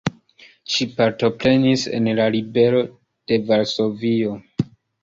Ŝi partoprenis en la ribelo de Varsovio.